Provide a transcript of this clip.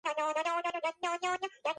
აფსიდის მხრების წინ ბემაა.